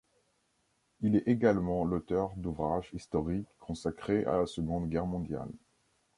Il est également l'auteur d'ouvrages historiques consacrés à la seconde guerre mondiale.